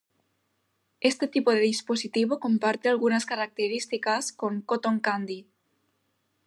Este tipo de dispositivo comparte algunas características con Cotton Candy.